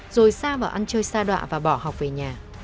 rồi xa vào ăn chơi xa đoạ và bỏ học về nhà